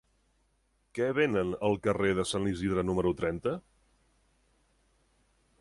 Què venen al carrer de Sant Isidre número trenta?